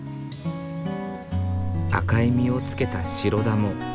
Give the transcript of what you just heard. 赤い実をつけたシロダモ。